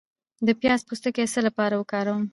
د پیاز پوستکی د څه لپاره وکاروم؟